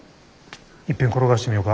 いっぺん転がしてみよか。